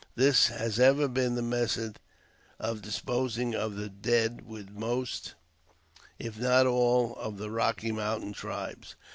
This has ever been the method of disposing of the dead with most, if not all, of the Eocky Mountain tribes.